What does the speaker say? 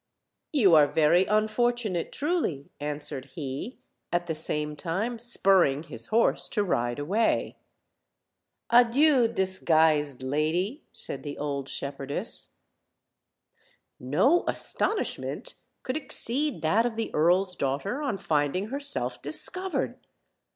3 "You are very unfortunate, truly," answered he, at the same time spurring his horse to ride away. "Adieu, disguised lady!" said the old shepherdess. No astonishment could exceed that of the earl's daugh ter on finding herself discovered.